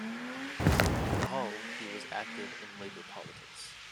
In Hull he was active in Labour politics.